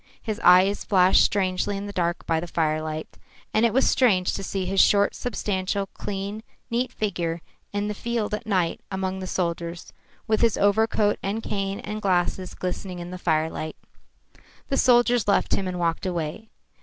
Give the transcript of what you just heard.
His eyes flashed strangely in the dark by the firelight. And it was strange to see his short, substantial, clean, neat figure in the field at night among the soldiers, with his overcoat and cane and glasses glistening in the firelight. The soldiers left him and walked away.